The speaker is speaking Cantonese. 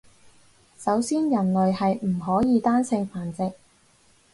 首先人類係唔可以單性繁殖